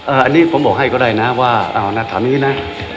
อันนี้ผมบอกให้ก็ได้นะว่าถามนี้นะ